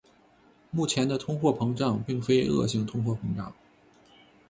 目前的通货膨胀并非恶性通货膨胀。